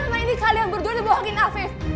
selama ini kalian berdua dibohongin afif